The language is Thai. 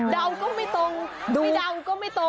เดาก็ไม่ตรงไม่เดาก็ไม่ตรง